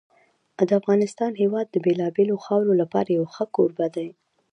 د افغانستان هېواد د بېلابېلو خاورو لپاره یو ښه کوربه دی.